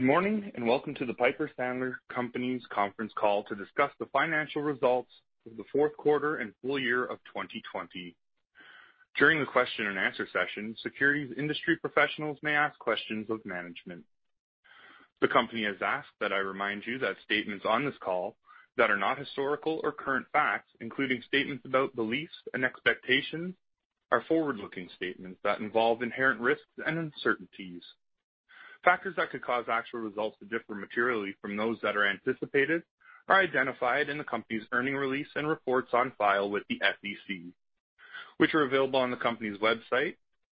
Good morning and welcome to the Piper Sandler Companies Conference call to discuss the financial results of the fourth quarter and full year of 2020. During the question and answer session, securities industry professionals may ask questions of management. The company has asked that I remind you that statements on this call that are not historical or current facts, including statements about beliefs and expectations, are forward-looking statements that involve inherent risks and uncertainties. Factors that could cause actual results to differ materially from those that are anticipated are identified in the company's earnings release and reports on file with the SEC, which are available on the company's website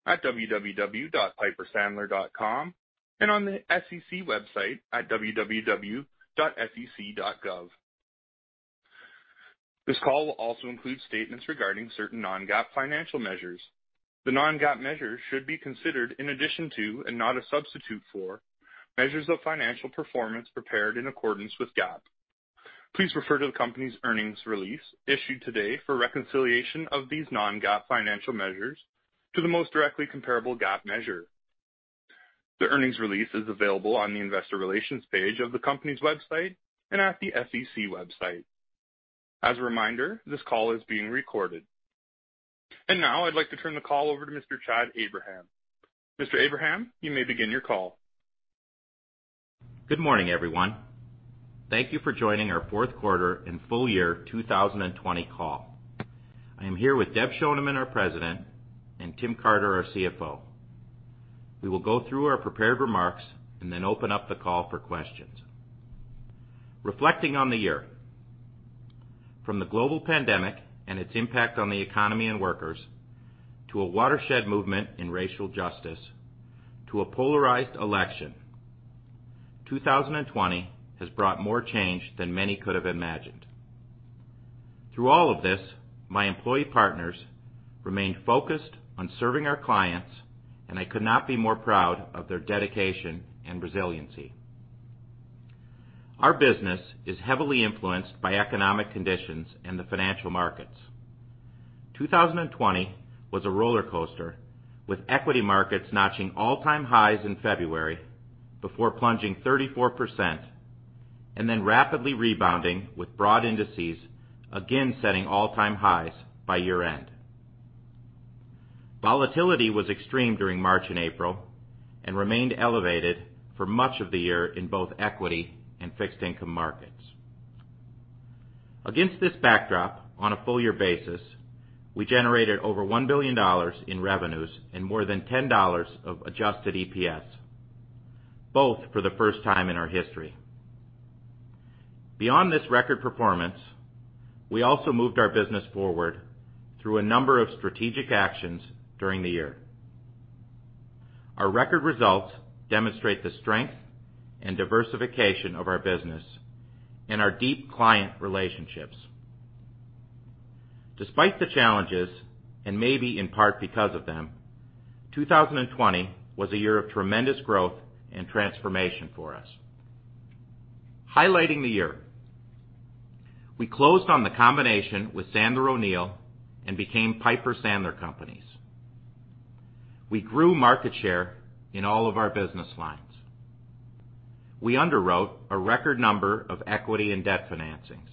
at www.pipersandler.com and on the SEC website at www.sec.gov. This call will also include statements regarding certain non-GAAP financial measures. The non-GAAP measures should be considered in addition to, and not a substitute for, measures of financial performance prepared in accordance with GAAP. Please refer to the company's earnings release issued today for reconciliation of these non-GAAP financial measures to the most directly comparable GAAP measure. The earnings release is available on the investor relations page of the company's website and at the SEC website. As a reminder, this call is being recorded. And now I'd like to turn the call over to Mr. Chad Abraham. Mr. Abraham, you may begin your call. Good morning, everyone. Thank you for joining our fourth quarter and full year 2020 call. I am here with Deb Schoneman, our President, and Tim Carter, our CFO. We will go through our prepared remarks and then open up the call for questions. Reflecting on the year, from the global pandemic and its impact on the economy and workers to a watershed movement in racial justice to a polarized election, 2020 has brought more change than many could have imagined. Through all of this, my employee partners remained focused on serving our clients, and I could not be more proud of their dedication and resiliency. Our business is heavily influenced by economic conditions and the financial markets. 2020 was a roller coaster, with equity markets notching all-time highs in February before plunging 34% and then rapidly rebounding with broad indices again setting all-time highs by year-end. Volatility was extreme during March and April and remained elevated for much of the year in both equity and fixed-income markets. Against this backdrop, on a full-year basis, we generated over $1 billion in revenues and more than $10 of Adjusted EPS, both for the first time in our history. Beyond this record performance, we also moved our business forward through a number of strategic actions during the year. Our record results demonstrate the strength and diversification of our business and our deep client relationships. Despite the challenges, and maybe in part because of them, 2020 was a year of tremendous growth and transformation for us. Highlighting the year, we closed on the combination with Sandler O'Neill and became Piper Sandler Companies. We grew market share in all of our business lines. We underwrote a record number of equity and debt financings.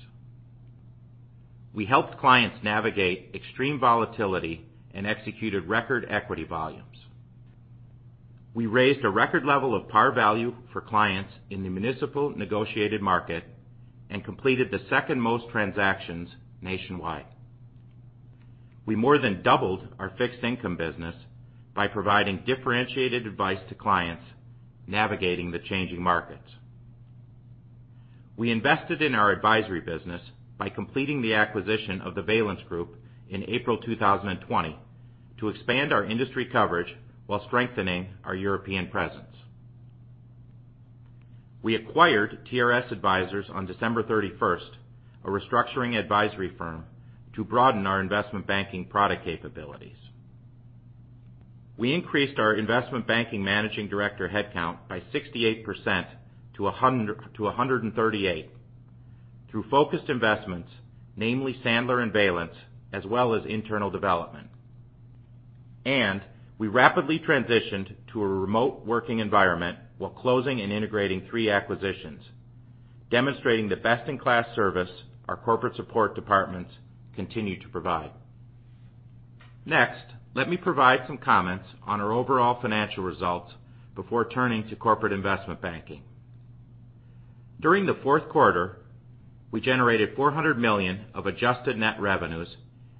We helped clients navigate extreme volatility and executed record equity volumes. We raised a record level of par value for clients in the municipal negotiated market and completed the second most transactions nationwide. We more than doubled our fixed-income business by providing differentiated advice to clients navigating the changing markets. We invested in our advisory business by completing the acquisition of the Valence Group in April 2020 to expand our industry coverage while strengthening our European presence. We acquired TRS Advisors on December 31st, a restructuring advisory firm, to broaden our investment banking product capabilities. We increased our investment banking managing director headcount by 68% to 138 through focused investments, namely Sandler and Valence, as well as internal development, and we rapidly transitioned to a remote working environment while closing and integrating three acquisitions, demonstrating the best-in-class service our corporate support departments continue to provide. Next, let me provide some comments on our overall financial results before turning to corporate investment banking. During the fourth quarter, we generated $400 million of adjusted net revenues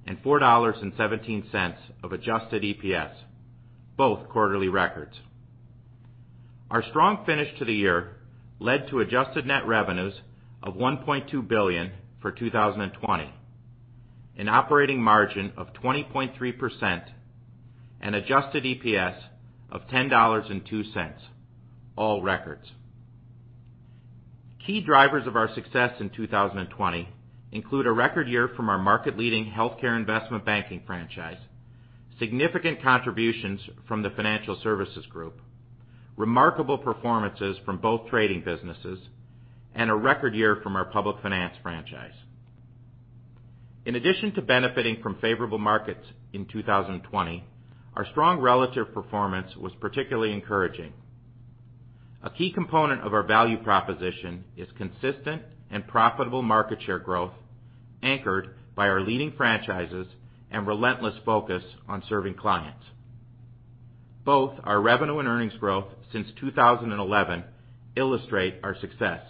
and $4.17 of Adjusted EPS, both quarterly records. Our strong finish to the year led to adjusted net revenues of $1.2 billion for 2020, an operating margin of 20.3%, and Adjusted EPS of $10.02, all records. Key drivers of our success in 2020 include a record year from our market-leading healthcare investment banking franchise, significant contributions from the financial services group, remarkable performances from both trading businesses, and a record year from our public finance franchise. In addition to benefiting from favorable markets in 2020, our strong relative performance was particularly encouraging. A key component of our value proposition is consistent and profitable market share growth anchored by our leading franchises and relentless focus on serving clients. Both our revenue and earnings growth since 2011 illustrate our success.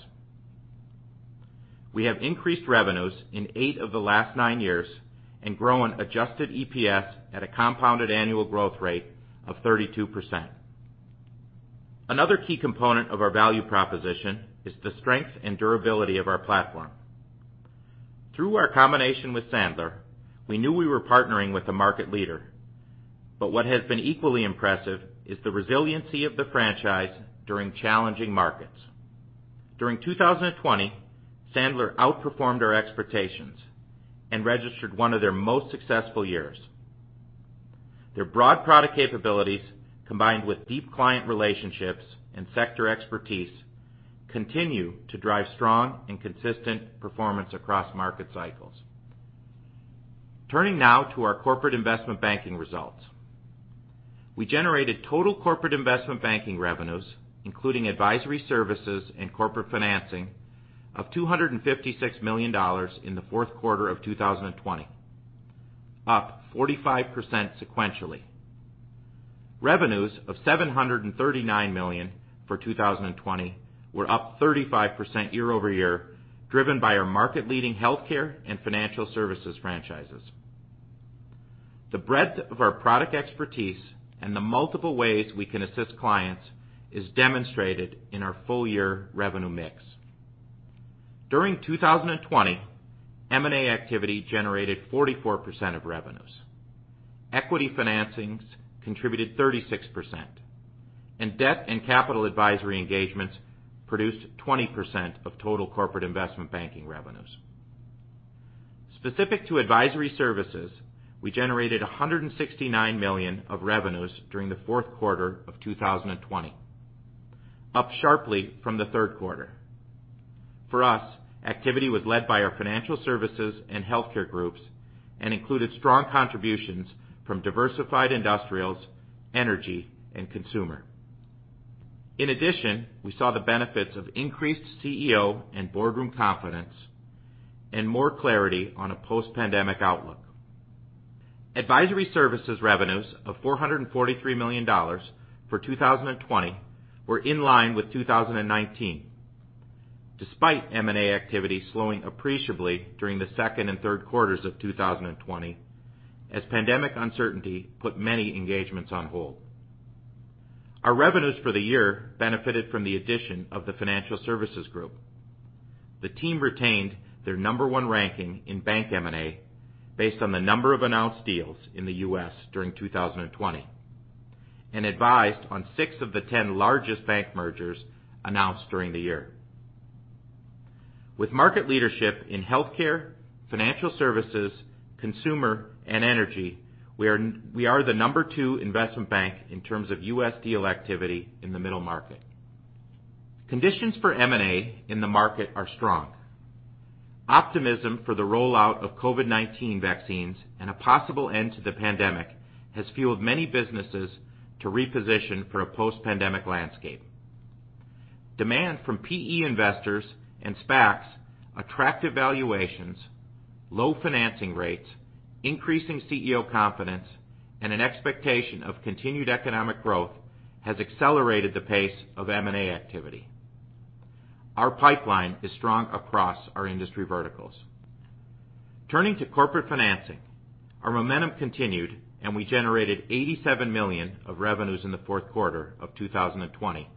We have increased revenues in eight of the last nine years and grown adjusted EPS at a compounded annual growth rate of 32%. Another key component of our value proposition is the strength and durability of our platform. Through our combination with Sandler, we knew we were partnering with a market leader, but what has been equally impressive is the resiliency of the franchise during challenging markets. During 2020, Sandler outperformed our expectations and registered one of their most successful years. Their broad product capabilities, combined with deep client relationships and sector expertise, continue to drive strong and consistent performance across market cycles. Turning now to our corporate investment banking results, we generated total corporate investment banking revenues, including advisory services and corporate financing, of $256 million in the fourth quarter of 2020, up 45% sequentially. Revenues of $739 million for 2020 were up 35% year-over-year, driven by our market-leading healthcare and financial services franchises. The breadth of our product expertise and the multiple ways we can assist clients is demonstrated in our full-year revenue mix. During 2020, M&A activity generated 44% of revenues. equity financings contributed 36%, and debt and capital advisory engagements produced 20% of total corporate investment banking revenues. Specific to advisory services, we generated $169 million of revenues during the fourth quarter of 2020, up sharply from the third quarter. For us, activity was led by our financial services and healthcare groups and included strong contributions from diversified industrials, energy, and consumer. In addition, we saw the benefits of increased CEO and boardroom confidence and more clarity on a post-pandemic outlook. Advisory services revenues of $443 million for 2020 were in line with 2019, despite M&A activity slowing appreciably during the second and third quarters of 2020 as pandemic uncertainty put many engagements on hold. Our revenues for the year benefited from the addition of the financial services group. The team retained their number one ranking in bank M&A based on the number of announced deals in the U.S. during 2020 and advised on six of the ten largest bank mergers announced during the year. With market leadership in healthcare, financial services, consumer, and energy, we are the number two investment bank in terms of U.S. deal activity in the middle market. Conditions for M&A in the market are strong. Optimism for the rollout of COVID-19 vaccines and a possible end to the pandemic has fueled many businesses to reposition for a post-pandemic landscape. Demand from PE investors and SPACs, attractive valuations, low financing rates, increasing CEO confidence, and an expectation of continued economic growth has accelerated the pace of M&A activity. Our pipeline is strong across our industry verticals. Turning to corporate financing, our momentum continued and we generated $87 million of revenues in the fourth quarter of 2020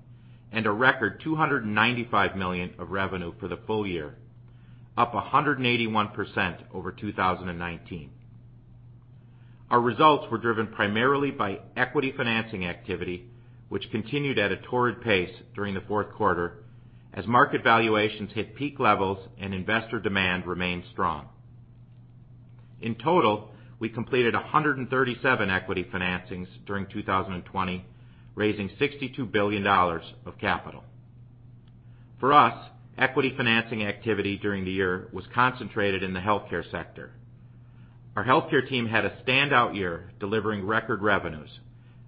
and a record $295 million of revenue for the full year, up 181% over 2019. Our results were driven primarily by equity financing activity, which continued at a torrid pace during the fourth quarter as market valuations hit peak levels and investor demand remained strong. In total, we completed 137 equity financings during 2020, raising $62 billion of capital. For us, equity financing activity during the year was concentrated in the healthcare sector. Our healthcare team had a standout year delivering record revenues,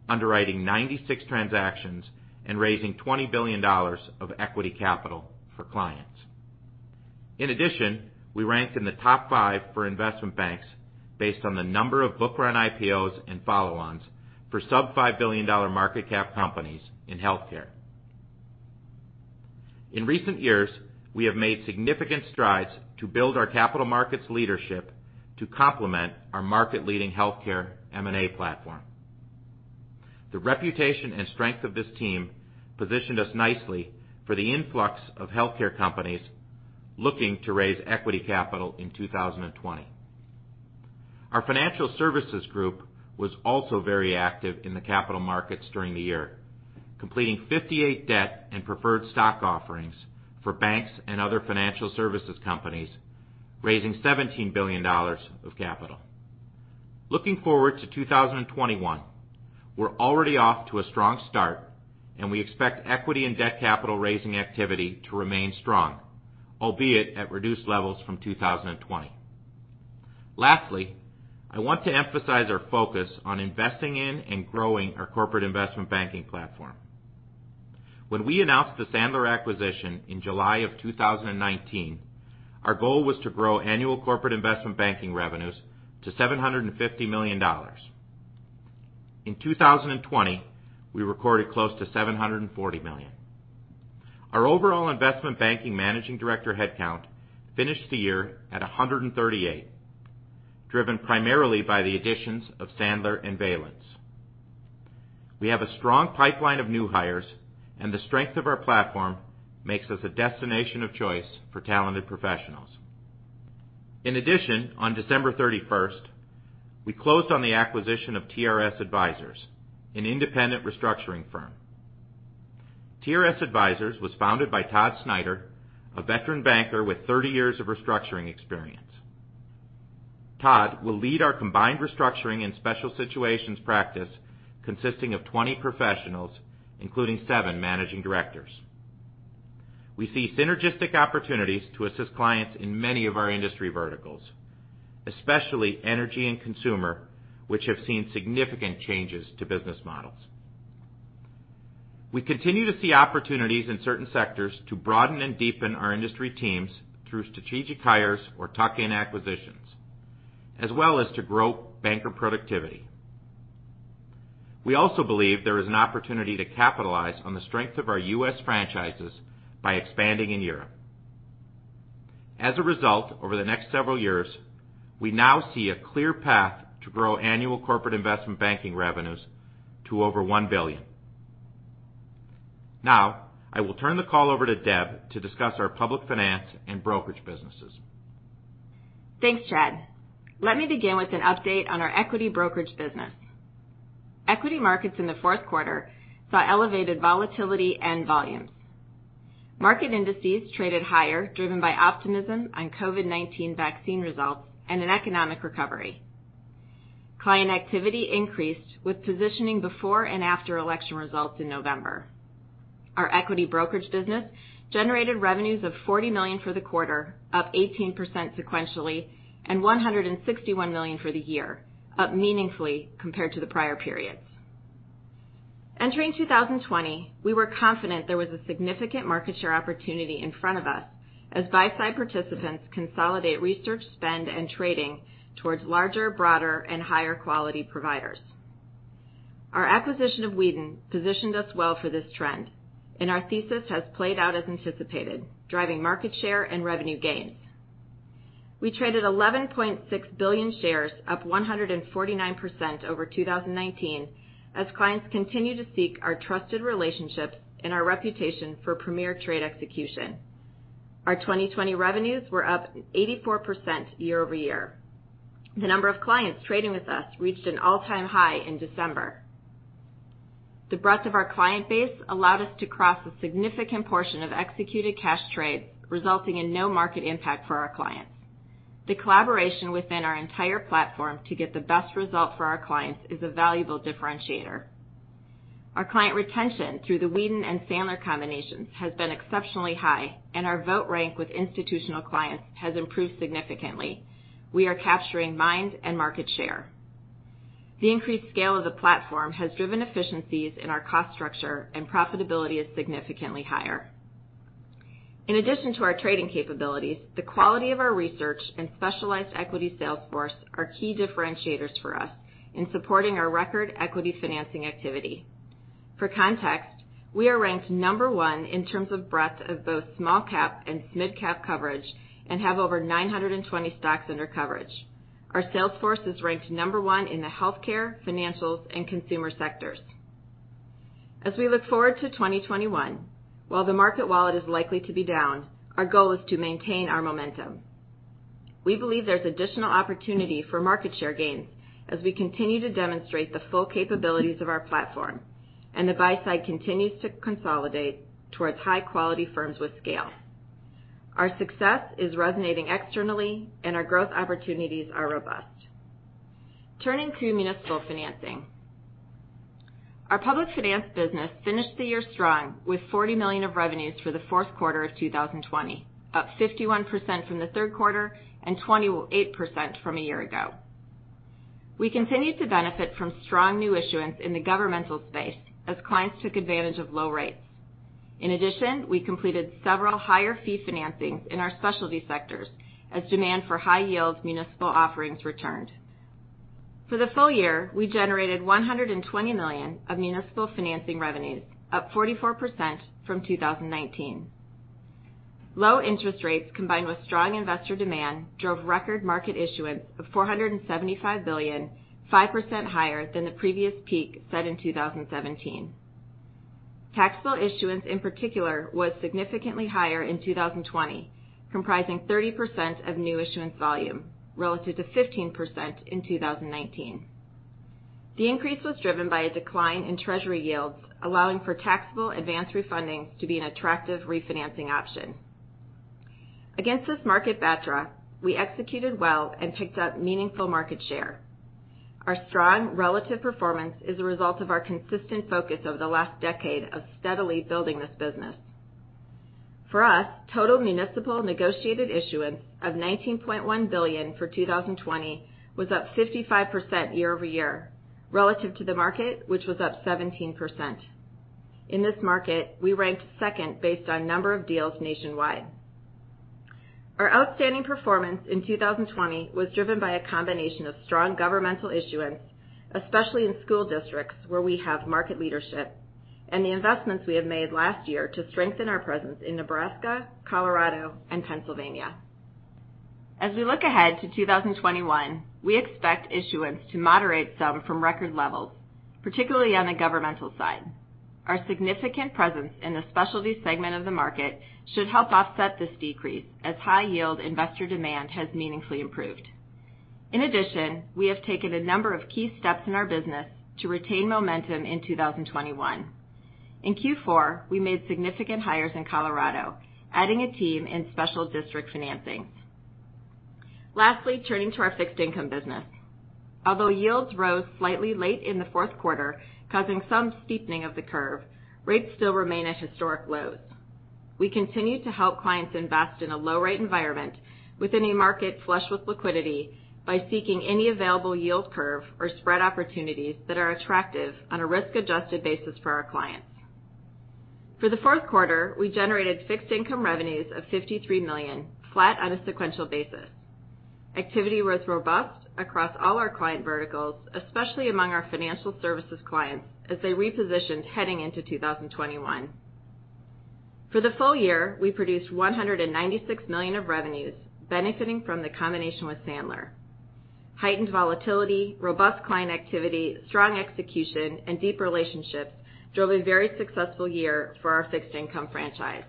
underwriting 96 transactions and raising $20 billion of equity capital for clients. In addition, we ranked in the top five for investment banks based on the number of book-run IPOs and follow-ons for sub-$5 billion market cap companies in healthcare. In recent years, we have made significant strides to build our capital markets leadership to complement our market-leading healthcare M&A platform. The reputation and strength of this team positioned us nicely for the influx of healthcare companies looking to raise equity capital in 2020. Our financial services group was also very active in the capital markets during the year, completing 58 debt and preferred stock offerings for banks and other financial services companies, raising $17 billion of capital. Looking forward to 2021, we're already off to a strong start and we expect equity and debt capital raising activity to remain strong, albeit at reduced levels from 2020. Lastly, I want to emphasize our focus on investing in and growing our corporate investment banking platform. When we announced the Sandler acquisition in July of 2019, our goal was to grow annual corporate investment banking revenues to $750 million. In 2020, we recorded close to $740 million. Our overall investment banking managing director headcount finished the year at 138, driven primarily by the additions of Sandler and Valence. We have a strong pipeline of new hires and the strength of our platform makes us a destination of choice for talented professionals. In addition, on December 31st, we closed on the acquisition of TRS Advisors, an independent restructuring firm. TRS Advisors was founded by Todd Snyder, a veteran banker with 30 years of restructuring experience. Todd will lead our combined restructuring and special situations practice consisting of 20 professionals, including seven managing directors. We see synergistic opportunities to assist clients in many of our industry verticals, especially energy and consumer, which have seen significant changes to business models. We continue to see opportunities in certain sectors to broaden and deepen our industry teams through strategic hires or tuck-in acquisitions, as well as to grow banker productivity. We also believe there is an opportunity to capitalize on the strength of our U.S. franchises by expanding in Europe. As a result, over the next several years, we now see a clear path to grow annual corporate investment banking revenues to over $1 billion. Now, I will turn the call over to Deb to discuss our public finance and brokerage businesses. Thanks, Chad. Let me begin with an update on our equity brokerage business. Equity markets in the fourth quarter saw elevated volatility and volumes. Market indices traded higher, driven by optimism on COVID-19 vaccine results and an economic recovery. Client activity increased with positioning before and after election results in November. Our equity brokerage business generated revenues of $40 million for the quarter, up 18% sequentially, and $161 million for the year, up meaningfully compared to the prior periods. Entering 2020, we were confident there was a significant market share opportunity in front of us as buy-side participants consolidate research, spend, and trading towards larger, broader, and higher quality providers. Our acquisition of Weeden positioned us well for this trend, and our thesis has played out as anticipated, driving market share and revenue gains. We traded 11.6 billion shares, up 149% over 2019, as clients continue to seek our trusted relationships and our reputation for premier trade execution. Our 2020 revenues were up 84% year-over-year. The number of clients trading with us reached an all-time high in December. The breadth of our client base allowed us to cross a significant portion of executed cash trades, resulting in no market impact for our clients. The collaboration within our entire platform to get the best result for our clients is a valuable differentiator. Our client retention through the Weeden and Sandler combinations has been exceptionally high, and our vote rank with institutional clients has improved significantly. We are capturing mind and market share. The increased scale of the platform has driven efficiencies in our cost structure, and profitability is significantly higher. In addition to our trading capabilities, the quality of our research and specialized equity salesforce are key differentiators for us in supporting our record equity financing activity. For context, we are ranked number one in terms of breadth of both small-cap and mid-cap coverage and have over 920 stocks under coverage. Our salesforce is ranked number one in the healthcare, financials, and consumer sectors. As we look forward to 2021, while the market wallet is likely to be down, our goal is to maintain our momentum. We believe there's additional opportunity for market share gains as we continue to demonstrate the full capabilities of our platform, and the buy-side continues to consolidate towards high-quality firms with scale. Our success is resonating externally, and our growth opportunities are robust. Turning to municipal financing, our public finance business finished the year strong with $40 million of revenues for the fourth quarter of 2020, up 51% from the third quarter and 28% from a year ago. We continued to benefit from strong new issuance in the governmental space as clients took advantage of low rates. In addition, we completed several higher-fee financings in our specialty sectors as demand for high-yield municipal offerings returned. For the full year, we generated $120 million of municipal financing revenues, up 44% from 2019. Low interest rates combined with strong investor demand drove record market issuance of $475 billion, 5% higher than the previous peak set in 2017. Taxable issuance, in particular, was significantly higher in 2020, comprising 30% of new issuance volume relative to 15% in 2019. The increase was driven by a decline in Treasury yields, allowing for taxable advance refundings to be an attractive refinancing option. Against this market backdrop, we executed well and picked up meaningful market share. Our strong relative performance is a result of our consistent focus over the last decade of steadily building this business. For us, total municipal negotiated issuance of $19.1 billion for 2020 was up 55% year-over-year relative to the market, which was up 17%. In this market, we ranked second based on number of deals nationwide. Our outstanding performance in 2020 was driven by a combination of strong governmental issuance, especially in school districts where we have market leadership, and the investments we have made last year to strengthen our presence in Nebraska, Colorado, and Pennsylvania. As we look ahead to 2021, we expect issuance to moderate some from record levels, particularly on the governmental side. Our significant presence in the specialty segment of the market should help offset this decrease as high-yield investor demand has meaningfully improved. In addition, we have taken a number of key steps in our business to retain momentum in 2021. In Q4, we made significant hires in Colorado, adding a team in special district financing. Lastly, turning to our fixed-income business. Although yields rose slightly late in the fourth quarter, causing some steepening of the curve, rates still remain at historic lows. We continue to help clients invest in a low-rate environment within a market flush with liquidity by seeking any available yield curve or spread opportunities that are attractive on a risk-adjusted basis for our clients. For the fourth quarter, we generated fixed-income revenues of $53 million, flat on a sequential basis. Activity was robust across all our client verticals, especially among our financial services clients as they repositioned heading into 2021. For the full year, we produced $196 million of revenues benefiting from the combination with Sandler. Heightened volatility, robust client activity, strong execution, and deep relationships drove a very successful year for our fixed-income franchise.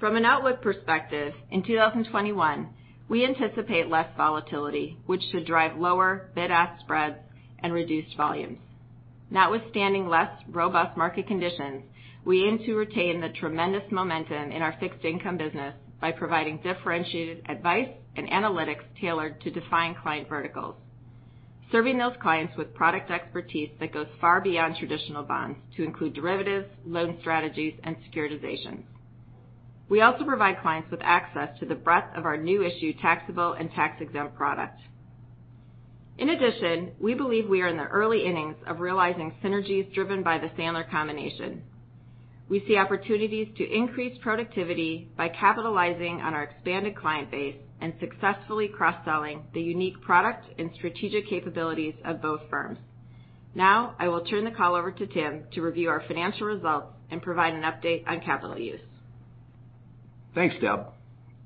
From an outlook perspective, in 2021, we anticipate less volatility, which should drive lower bid-ask spreads and reduced volumes. Notwithstanding less robust market conditions, we aim to retain the tremendous momentum in our fixed-income business by providing differentiated advice and analytics tailored to define client verticals, serving those clients with product expertise that goes far beyond traditional bonds to include derivatives, loan strategies, and securitizations. We also provide clients with access to the breadth of our newly issued taxable and tax-exempt products. In addition, we believe we are in the early innings of realizing synergies driven by the Sandler combination. We see opportunities to increase productivity by capitalizing on our expanded client base and successfully cross-selling the unique product and strategic capabilities of both firms. Now, I will turn the call over to Tim to review our financial results and provide an update on capital use. Thanks, Deb.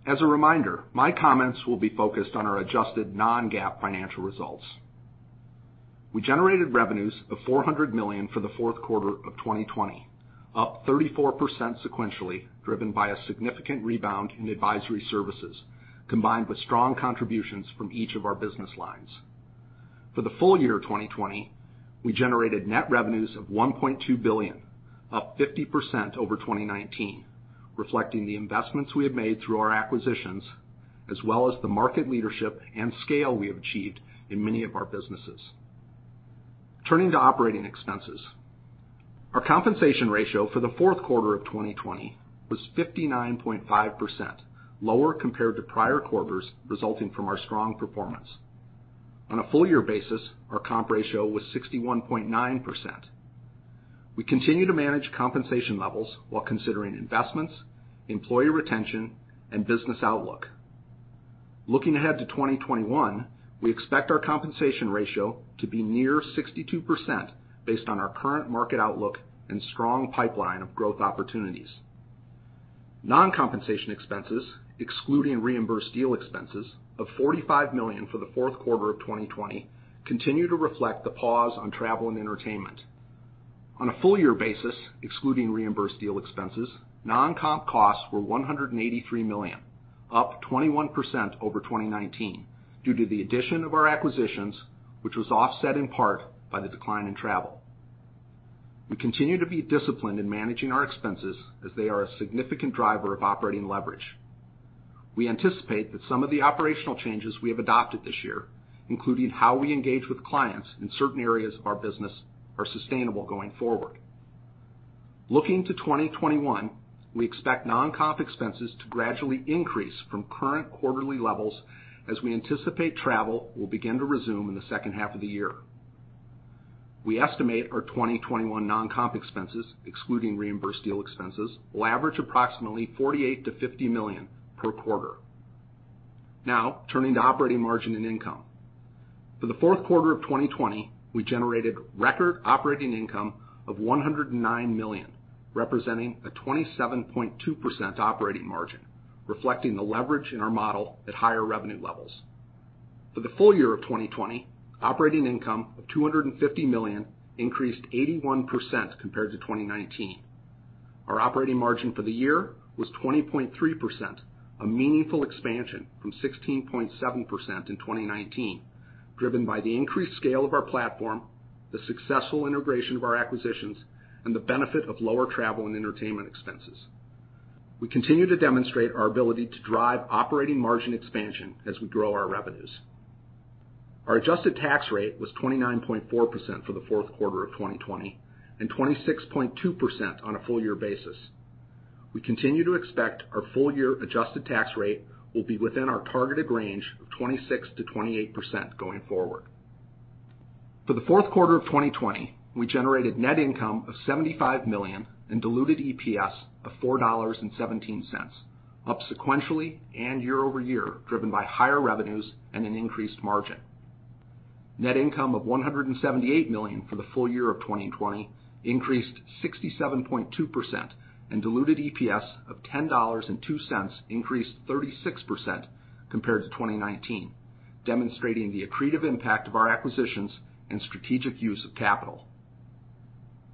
As a reminder, my comments will be focused on our adjusted non-GAAP financial results. We generated revenues of $400 million for the fourth quarter of 2020, up 34% sequentially, driven by a significant rebound in advisory services combined with strong contributions from each of our business lines. For the full year 2020, we generated net revenues of $1.2 billion, up 50% over 2019, reflecting the investments we have made through our acquisitions as well as the market leadership and scale we have achieved in many of our businesses. Turning to operating expenses, our compensation ratio for the fourth quarter of 2020 was 59.5%, lower compared to prior quarters, resulting from our strong performance. On a full-year basis, our comp ratio was 61.9%. We continue to manage compensation levels while considering investments, employee retention, and business outlook. Looking ahead to 2021, we expect our compensation ratio to be near 62% based on our current market outlook and strong pipeline of growth opportunities. Non-compensation expenses, excluding reimbursed deal expenses, of $45 million for the fourth quarter of 2020 continue to reflect the pause on travel and entertainment. On a full-year basis, excluding reimbursed deal expenses, non-comp costs were $183 million, up 21% over 2019 due to the addition of our acquisitions, which was offset in part by the decline in travel. We continue to be disciplined in managing our expenses as they are a significant driver of operating leverage. We anticipate that some of the operational changes we have adopted this year, including how we engage with clients in certain areas of our business, are sustainable going forward. Looking to 2021, we expect non-comp expenses to gradually increase from current quarterly levels as we anticipate travel will begin to resume in the second half of the year. We estimate our 2021 non-comp expenses, excluding reimbursed deal expenses, will average approximately $48-$50 million per quarter. Now, turning to operating margin and income. For the fourth quarter of 2020, we generated record operating income of $109 million, representing a 27.2% operating margin, reflecting the leverage in our model at higher revenue levels. For the full year of 2020, operating income of $250 million increased 81% compared to 2019. Our operating margin for the year was 20.3%, a meaningful expansion from 16.7% in 2019, driven by the increased scale of our platform, the successful integration of our acquisitions, and the benefit of lower travel and entertainment expenses. We continue to demonstrate our ability to drive operating margin expansion as we grow our revenues. Our adjusted tax rate was 29.4% for the fourth quarter of 2020 and 26.2% on a full-year basis. We continue to expect our full-year adjusted tax rate will be within our targeted range of 26%-28% going forward. For the fourth quarter of 2020, we generated net income of $75 million and diluted EPS of $4.17, up sequentially and year-over-year driven by higher revenues and an increased margin. Net income of $178 million for the full year of 2020 increased 67.2%, and diluted EPS of $10.02 increased 36% compared to 2019, demonstrating the accretive impact of our acquisitions and strategic use of capital.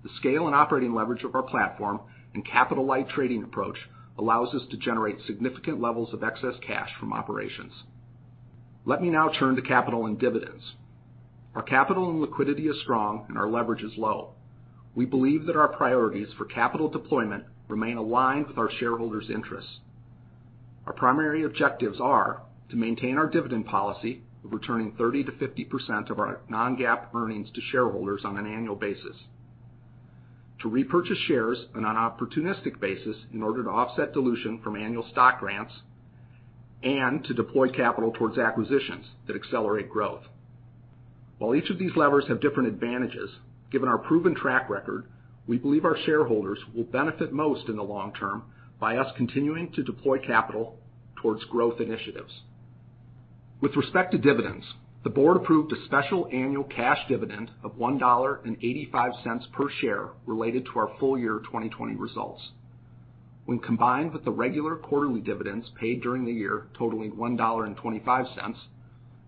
The scale and operating leverage of our platform and capital-light trading approach allows us to generate significant levels of excess cash from operations. Let me now turn to capital and dividends. Our capital and liquidity are strong, and our leverage is low. We believe that our priorities for capital deployment remain aligned with our shareholders' interests. Our primary objectives are to maintain our dividend policy of returning 30%-50% of our non-GAAP earnings to shareholders on an annual basis, to repurchase shares on an opportunistic basis in order to offset dilution from annual stock grants, and to deploy capital towards acquisitions that accelerate growth. While each of these levers has different advantages, given our proven track record, we believe our shareholders will benefit most in the long term by us continuing to deploy capital towards growth initiatives. With respect to dividends, the board approved a special annual cash dividend of $1.85 per share related to our full year 2020 results. When combined with the regular quarterly dividends paid during the year totaling $1.25,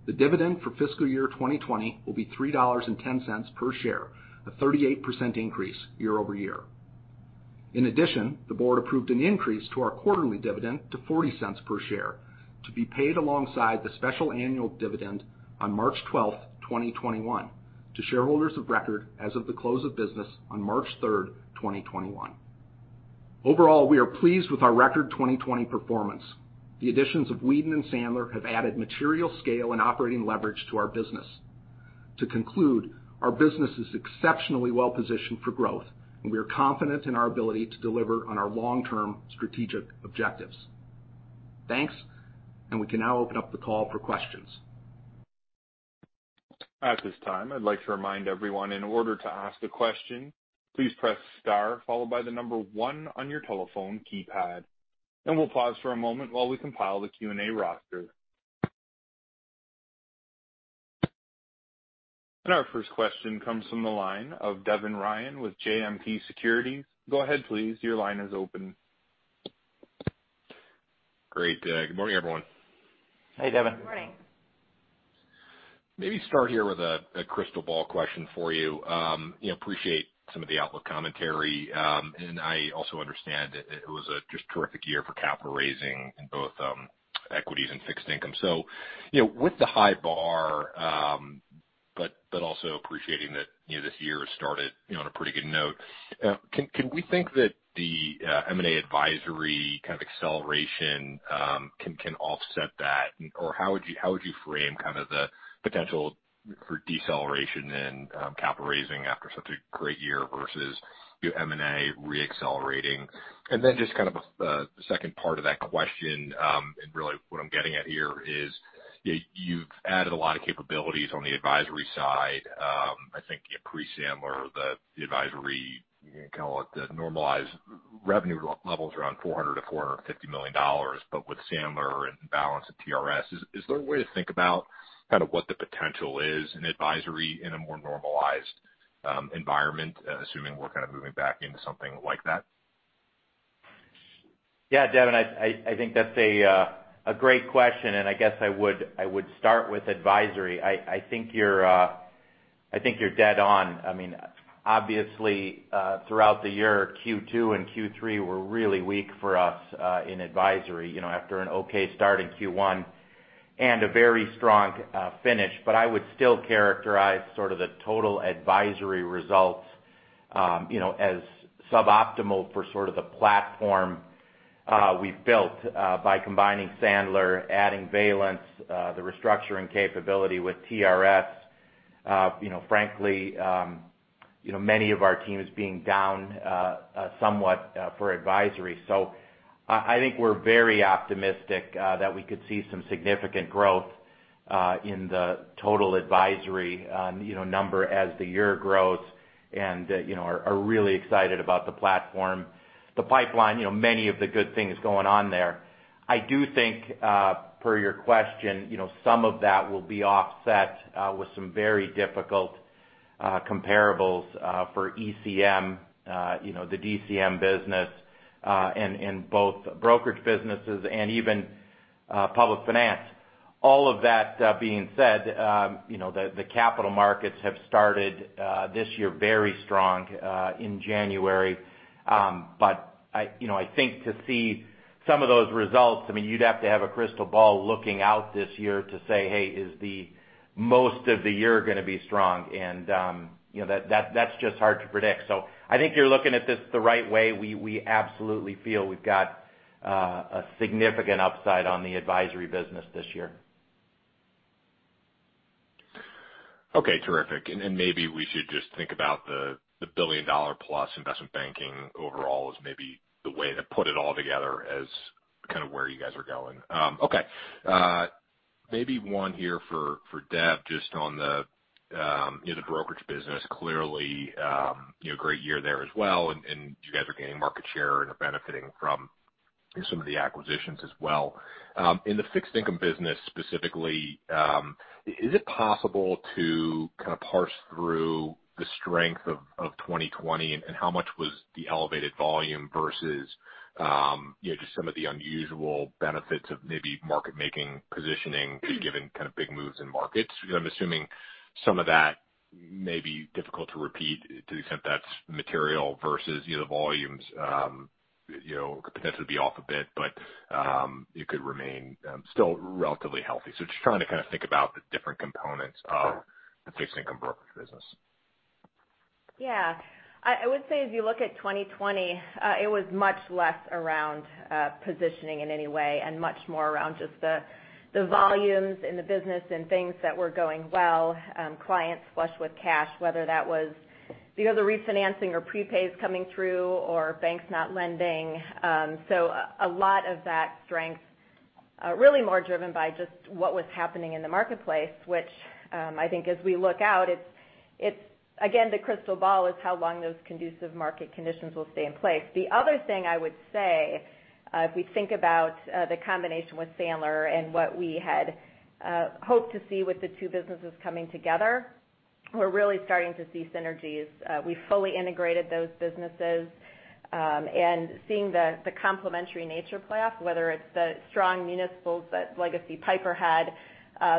the dividend for fiscal year 2020 will be $3.10 per share, a 38% increase year-over-year. In addition, the board approved an increase to our quarterly dividend to $0.40 per share to be paid alongside the special annual dividend on March 12, 2021, to shareholders of record as of the close of business on March 3, 2021. Overall, we are pleased with our record 2020 performance. The additions of Weeden and Sandler have added material scale and operating leverage to our business. To conclude, our business is exceptionally well-positioned for growth, and we are confident in our ability to deliver on our long-term strategic objectives. Thanks, and we can now open up the call for questions. At this time, I'd like to remind everyone in order to ask a question, please press star followed by the number one on your telephone keypad, and we'll pause for a moment while we compile the Q&A roster. Our first question comes from the line of Devin Ryan with JMP Securities. Go ahead, please. Your line is open. Great. Good morning, everyone. Hey, Devin. Good morning. Maybe start here with a crystal ball question for you. I appreciate some of the outlook commentary, and I also understand it was just a terrific year for capital raising in both equities and fixed-income. So with the high bar, but also appreciating that this year has started on a pretty good note, can we think that the M&A advisory kind of acceleration can offset that? Or how would you frame kind of the potential for deceleration in capital raising after such a great year versus M&A re-accelerating? And then just kind of the second part of that question, and really what I'm getting at here is you've added a lot of capabilities on the advisory side. I think pre-Sandler, the advisory, you can call it the normalized revenue levels around $400-$450 million, but with Sandler and Valence of TRS, is there a way to think about kind of what the potential is in advisory in a more normalized environment, assuming we're kind of moving back into something like that? Yeah, Devin, I think that's a great question, and I guess I would start with advisory. I think you're dead on. I mean, obviously, throughout the year, Q2 and Q3 were really weak for us in advisory after an okay start in Q1 and a very strong finish, but I would still characterize sort of the total advisory results as suboptimal for sort of the platform we've built by combining Sandler, adding Valence, the restructuring capability with TRS, frankly, many of our teams being down somewhat for advisory. So I think we're very optimistic that we could see some significant growth in the total advisory number as the year grows and are really excited about the platform, the pipeline, many of the good things going on there. I do think, per your question, some of that will be offset with some very difficult comparables for ECM, the DCM business, and both brokerage businesses and even public finance. All of that being said, the capital markets have started this year very strong in January, but I think to see some of those results, I mean, you'd have to have a crystal ball looking out this year to say, "Hey, is the most of the year going to be strong?" And that's just hard to predict. So I think you're looking at this the right way. We absolutely feel we've got a significant upside on the advisory business this year. Okay, terrific. And maybe we should just think about the billion-dollar-plus investment banking overall as maybe the way to put it all together as kind of where you guys are going. Okay. Maybe one here for Deb, just on the brokerage business, clearly a great year there as well, and you guys are gaining market share and are benefiting from some of the acquisitions as well. In the fixed-income business specifically, is it possible to kind of parse through the strength of 2020 and how much was the elevated volume versus just some of the unusual benefits of maybe market-making positioning given kind of big moves in markets? I'm assuming some of that may be difficult to repeat to the extent that's material versus the volumes could potentially be off a bit, but it could remain still relatively healthy. So just trying to kind of think about the different components of the fixed-income brokerage business. Yeah. I would say as you look at 2020, it was much less around positioning in any way and much more around just the volumes in the business and things that were going well, clients flush with cash, whether that was because of refinancing or prepays coming through or banks not lending. So a lot of that strength really more driven by just what was happening in the marketplace, which I think as we look out, again, the crystal ball is how long those conducive market conditions will stay in place. The other thing I would say, if we think about the combination with Sandler and what we had hoped to see with the two businesses coming together, we're really starting to see synergies. We fully integrated those businesses and seeing the complementary nature play off, whether it's the strong municipals that Legacy Piper had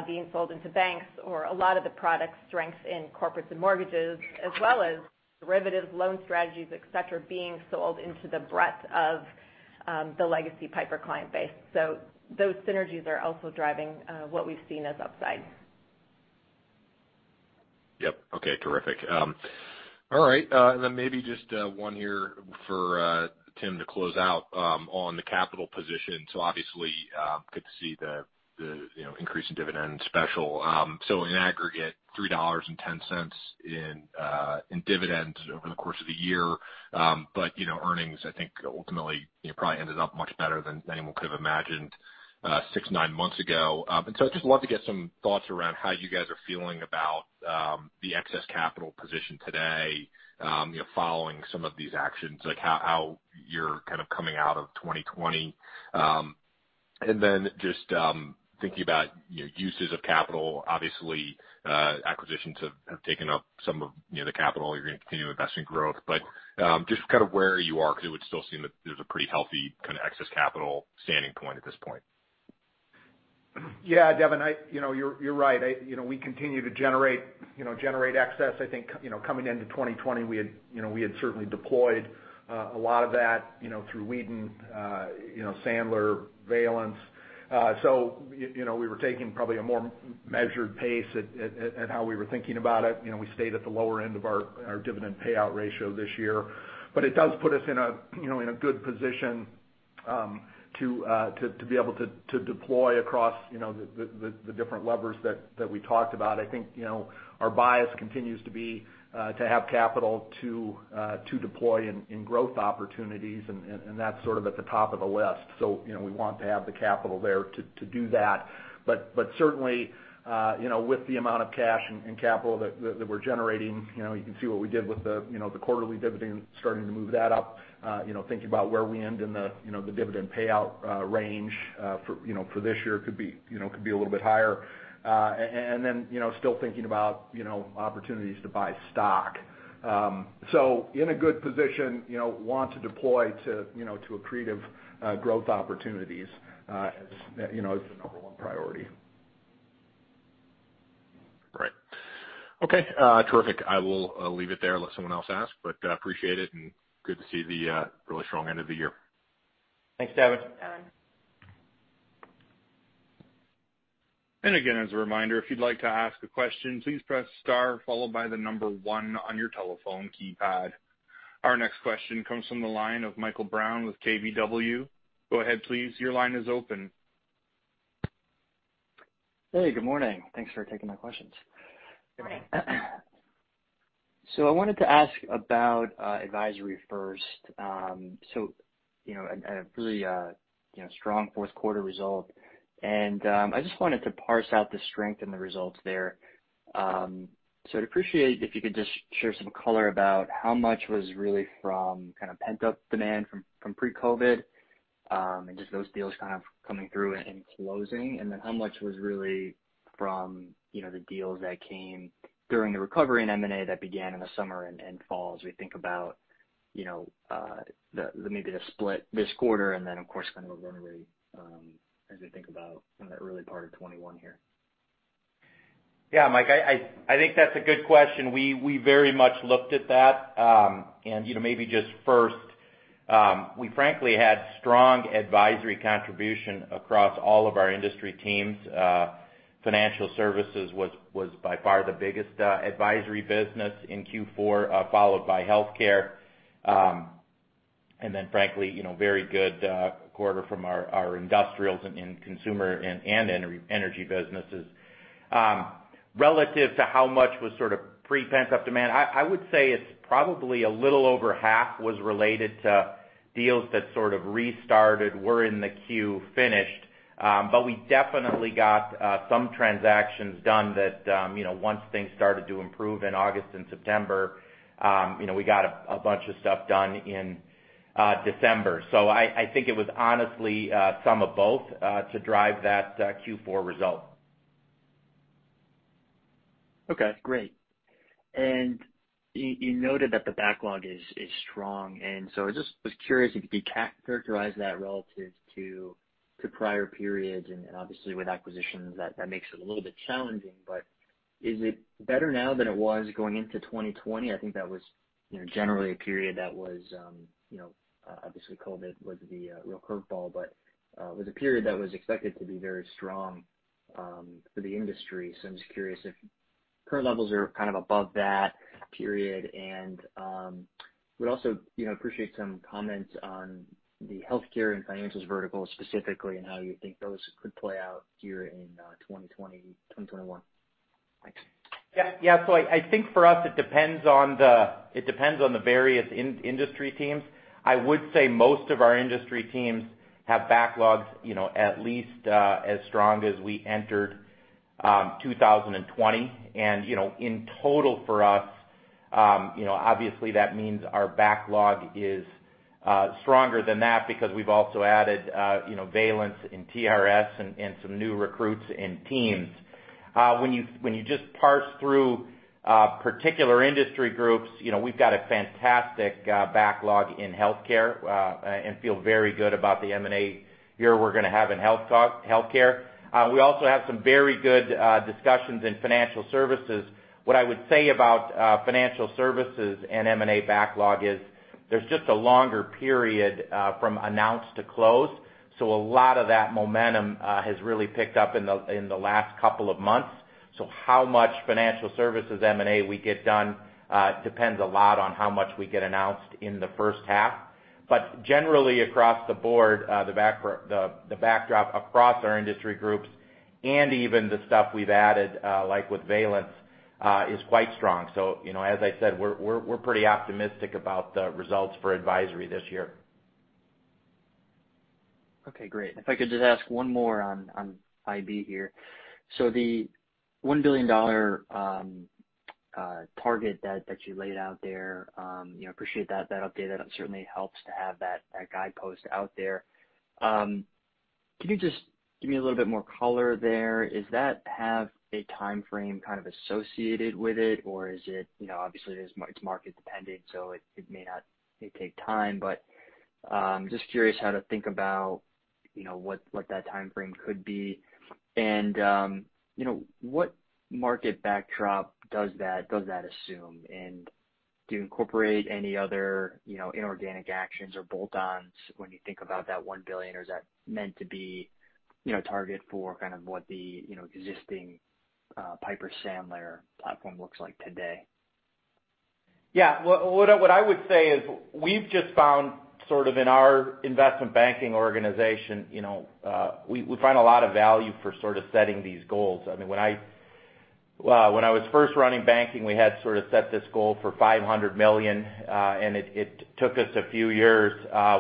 being sold into banks or a lot of the product strength in corporates and mortgages, as well as derivatives, loan strategies, etc., being sold into the breadth of the Legacy Piper client base. So those synergies are also driving what we've seen as upside. Yep. Okay, terrific. All right. And then maybe just one here for Tim to close out on the capital position. So obviously, good to see the increase in dividend special. So in aggregate, $3.10 in dividends over the course of the year, but earnings, I think ultimately probably ended up much better than anyone could have imagined six, nine months ago. And so I'd just love to get some thoughts around how you guys are feeling about the excess capital position today following some of these actions, like how you're kind of coming out of 2020. And then just thinking about uses of capital, obviously, acquisitions have taken up some of the capital. You're going to continue investing growth, but just kind of where you are because it would still seem that there's a pretty healthy kind of excess capital standing point at this point. Yeah, Devin, you're right. We continue to generate excess. I think coming into 2020, we had certainly deployed a lot of that through Weeden, Sandler, Valence. So we were taking probably a more measured pace at how we were thinking about it. We stayed at the lower end of our dividend payout ratio this year, but it does put us in a good position to be able to deploy across the different levers that we talked about. I think our bias continues to be to have capital to deploy in growth opportunities, and that's sort of at the top of the list. So we want to have the capital there to do that. But certainly, with the amount of cash and capital that we're generating, you can see what we did with the quarterly dividend, starting to move that up, thinking about where we end in the dividend payout range for this year could be a little bit higher. And then still thinking about opportunities to buy stock. So in a good position, want to deploy to accretive growth opportunities as the number one priority. Right. Okay. Terrific. I will leave it there unless someone else asks, but appreciate it and good to see the really strong end of the year. Thanks, Devin. And again, as a reminder, if you'd like to ask a question, please press star followed by the number one on your telephone keypad. Our next question comes from the line of Michael Brown with KBW. Go ahead, please. Your line is open. Hey, good morning. Thanks for taking my questions. Good morning. So I wanted to ask about advisory first. So a really strong fourth quarter result, and I just wanted to parse out the strength and the results there. So I'd appreciate if you could just share some color about how much was really from kind of pent-up demand from pre-COVID and just those deals kind of coming through and closing, and then how much was really from the deals that came during the recovery in M&A that began in the summer and fall as we think about maybe the split this quarter and then, of course, kind of the runway as we think about in that early part of 2021 here. Yeah, Michael, I think that's a good question. We very much looked at that, and maybe just first, we frankly had strong advisory contribution across all of our industry teams. Financial services was by far the biggest advisory business in Q4, followed by healthcare, and then frankly, very good quarter from our industrials and consumer and energy businesses. Relative to how much was sort of pre-pandemic pent-up demand, I would say it's probably a little over half was related to deals that sort of restarted, were in the queue, finished, but we definitely got some transactions done that once things started to improve in August and September, we got a bunch of stuff done in December. So I think it was honestly some of both to drive that Q4 result. Okay, great. And you noted that the backlog is strong, and so I just was curious if you could characterize that relative to prior periods, and obviously with acquisitions, that makes it a little bit challenging, but is it better now than it was going into 2020? I think that was generally a period that was obviously COVID was the real curveball, but it was a period that was expected to be very strong for the industry. So I'm just curious if current levels are kind of above that period, and would also appreciate some comments on the healthcare and financials vertical specifically and how you think those could play out here in 2020, 2021. Yeah. Yeah. So I think for us, it depends on the various industry teams. I would say most of our industry teams have backlogs at least as strong as we entered 2020. And in total for us, obviously that means our backlog is stronger than that because we've also added Valence and TRS and some new recruits and teams. When you just parse through particular industry groups, we've got a fantastic backlog in healthcare and feel very good about the M&A year we're going to have in healthcare. We also have some very good discussions in financial services. What I would say about financial services and M&A backlog is there's just a longer period from announced to close. So a lot of that momentum has really picked up in the last couple of months. So how much financial services M&A we get done depends a lot on how much we get announced in the first half. But generally across the board, the backdrop across our industry groups and even the stuff we've added, like with Valence, is quite strong. So as I said, we're pretty optimistic about the results for advisory this year. Okay, great. If I could just ask one more on IB here. So the $1 billion target that you laid out there, I appreciate that update. That certainly helps to have that guidepost out there. Can you just give me a little bit more color there? Does that have a timeframe kind of associated with it, or is it obviously it's market-dependent, so it may not take time, but just curious how to think about what that timeframe could be? And what market backdrop does that assume? And do you incorporate any other inorganic actions or bolt-ons when you think about that $1 billion, or is that meant to be target for kind of what the existing Piper Sandler platform looks like today? Yeah. What I would say is we've just found sort of in our investment banking organization, we find a lot of value for sort of setting these goals. I mean, when I was first running banking, we had sort of set this goal for $500 million, and it took us a few years.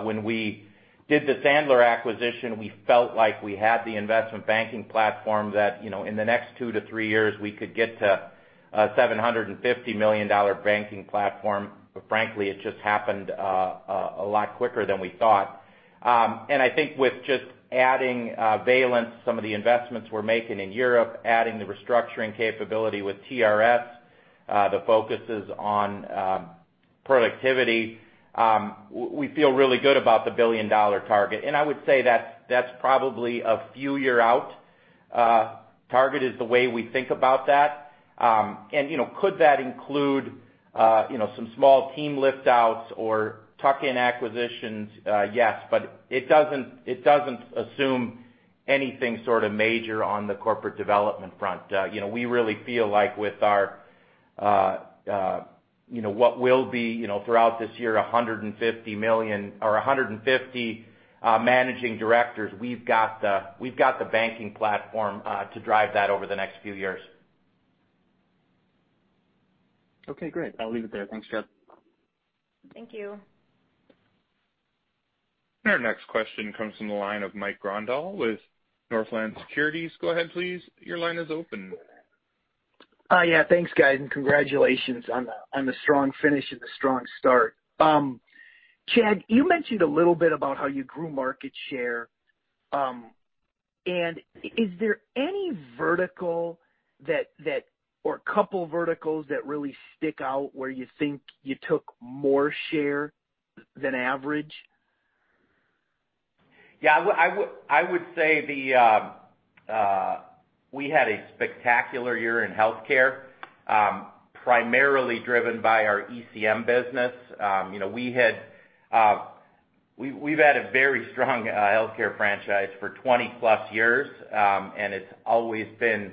When we did the Sandler acquisition, we felt like we had the investment banking platform that in the next two to three years, we could get to a $750 million banking platform. But frankly, it just happened a lot quicker than we thought. And I think with just adding Valence, some of the investments we're making in Europe, adding the restructuring capability with TRS, the focus is on productivity, we feel really good about the billion-dollar target. And I would say that's probably a few-year-out target, is the way we think about that. And could that include some small team liftouts or tuck-in acquisitions? Yes, but it doesn't assume anything sort of major on the corporate development front. We really feel like with our what will be throughout this year, 150 managing directors, we've got the banking platform to drive that over the next few years. Okay, great. I'll leave it there. Thanks, Chad. Thank you. Our next question comes from the line of Mike Grondahl with Northland Securities. Go ahead, please. Your line is open. Yeah. Thanks, guys. And congratulations on the strong finish and the strong start. Chad, you mentioned a little bit about how you grew market share. And is there any vertical or a couple verticals that really stick out where you think you took more share than average? Yeah. I would say we had a spectacular year in healthcare, primarily driven by our ECM business. We've had a very strong healthcare franchise for 20-plus years, and it's always been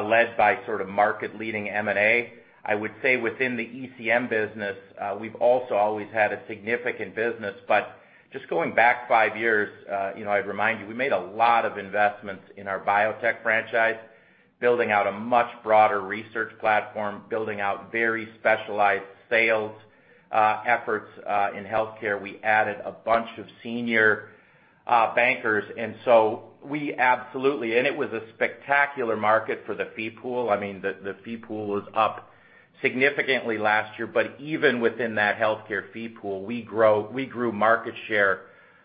led by sort of market-leading M&A. I would say within the ECM business, we've also always had a significant business. But just going back five years, I'd remind you, we made a lot of investments in our biotech franchise, building out a much broader research platform, building out very specialized sales efforts in healthcare. We added a bunch of senior bankers. And so we absolutely, and it was a spectacular market for the fee pool. I mean, the fee pool was up significantly last year. But even within that healthcare fee pool, we grew market share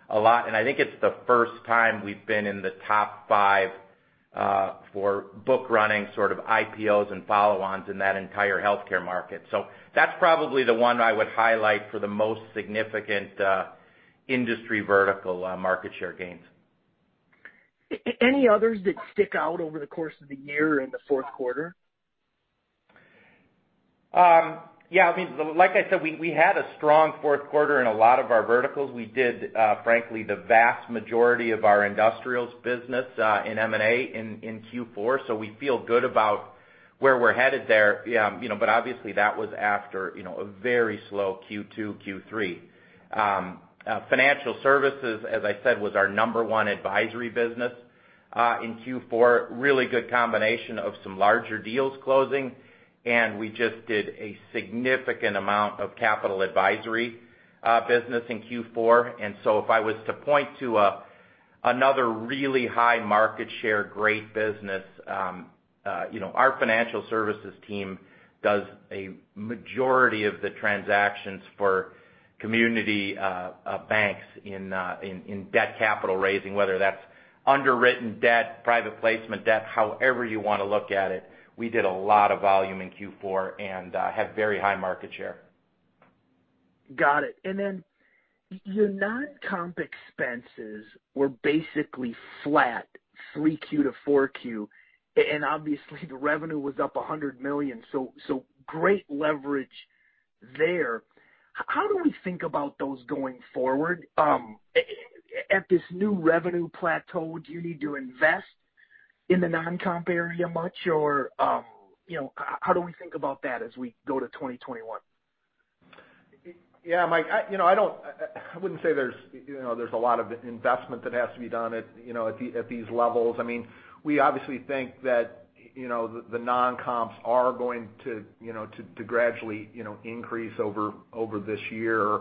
a lot. And I think it's the first time we've been in the top five for book-running sort of IPOs and follow-ons in that entire healthcare market. So that's probably the one I would highlight for the most significant industry vertical market share gains. Any others that stick out over the course of the year in the fourth quarter? Yeah. I mean, like I said, we had a strong fourth quarter in a lot of our verticals. We did, frankly, the vast majority of our industrials business in M&A in Q4, so we feel good about where we're headed there, but obviously that was after a very slow Q2, Q3. Financial services, as I said, was our number one advisory business in Q4. Really good combination of some larger deals closing, and we just did a significant amount of capital advisory business in Q4, and so if I was to point to another really high market share great business, our financial services team does a majority of the transactions for community banks in debt capital raising, whether that's underwritten debt, private placement debt, however you want to look at it. We did a lot of volume in Q4 and have very high market share. Got it. And then your non-comp expenses were basically flat, 3Q to 4Q, and obviously, the revenue was up $100 million. So great leverage there. How do we think about those going forward? At this new revenue plateau, do you need to invest in the non-comp area much, or how do we think about that as we go to 2021? Yeah, Mike, I wouldn't say there's a lot of investment that has to be done at these levels. I mean, we obviously think that the non-comps are going to gradually increase over this year.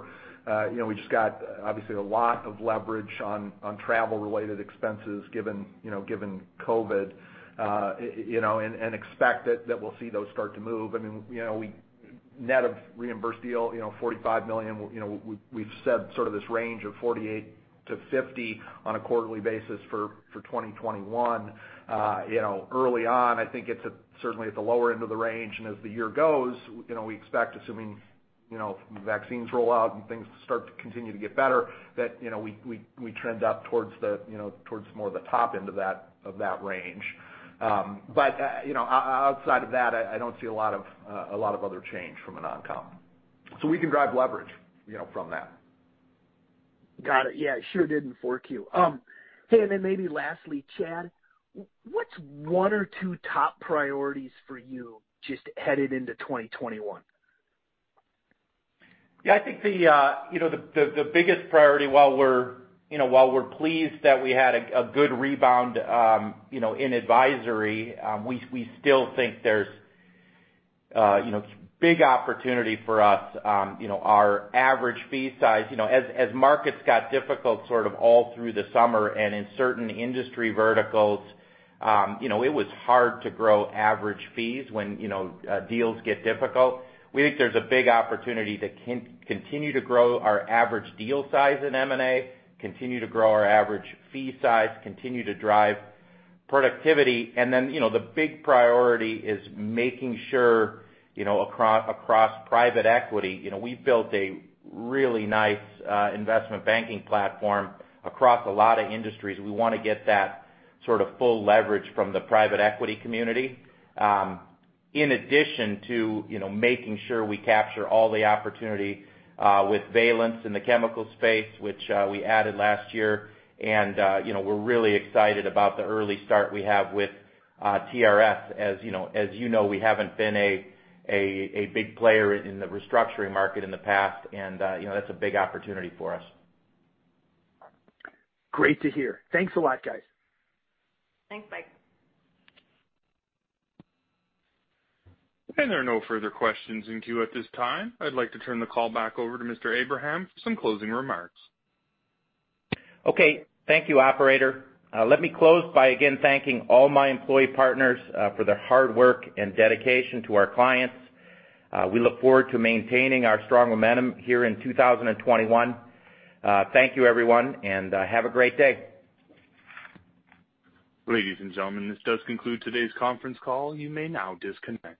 We just got, obviously, a lot of leverage on travel-related expenses given COVID and expect that we'll see those start to move. I mean, net of reimbursed deal, $45 million. We've said sort of this range of $48 million-$50 million on a quarterly basis for 2021. Early on, I think it's certainly at the lower end of the range. As the year goes, we expect, assuming vaccines roll out and things start to continue to get better, that we trend up towards more the top end of that range. But outside of that, I don't see a lot of other change from a non-comp. So we can drive leverage from that. Got it. Yeah. Sure did in 4Q. Hey, and then maybe lastly, Chad, what's one or two top priorities for you just headed into 2021? Yeah. I think the biggest priority, while we're pleased that we had a good rebound in advisory, we still think there's big opportunity for us. Our average fee size, as markets got difficult sort of all through the summer and in certain industry verticals, it was hard to grow average fees when deals get difficult. We think there's a big opportunity to continue to grow our average deal size in M&A, continue to grow our average fee size, continue to drive productivity. And then the big priority is making sure across private equity, we've built a really nice investment banking platform across a lot of industries. We want to get that sort of full leverage from the private equity community, in addition to making sure we capture all the opportunity with Valence in the chemical space, which we added last year. And we're really excited about the early start we have with TRS. As you know, we haven't been a big player in the restructuring market in the past, and that's a big opportunity for us. Great to hear. Thanks a lot, guys. Thanks, Mike. And there are no further questions in queue at this time. I'd like to turn the call back over to Mr. Abraham for some closing remarks. Okay. Thank you, Operator. Let me close by again thanking all my employee partners for their hard work and dedication to our clients. We look forward to maintaining our strong momentum here in 2021. Thank you, everyone, and have a great day. Ladies and gentlemen, this does conclude today's conference call. You may now disconnect.